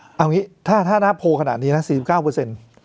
เอางี้ถ้านับโพลขนาดนี้นะ๔๙เปอร์เซ็นต์